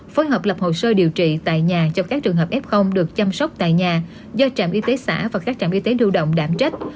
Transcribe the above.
phối hợp lập hồ sơ điều trị tại nhà cho các trường hợp f được chăm sóc tại nhà do trạm y tế xã và các trạm y tế lưu động đảm trách